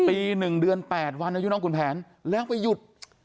ปี๑เดือน๘วันอายุน้องขุนแผนแล้วไปหยุด